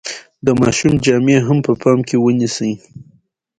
د ماشوم جامې هم په پام کې ونیسئ.